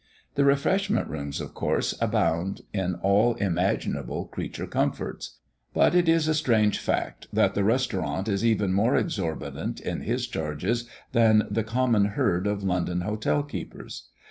The refreshment rooms, of course, abound in all imaginable creature comforts. But it is a strange fact, that the Restaurant is even more exorbitant in his charges than the common herd of London hotel keepers.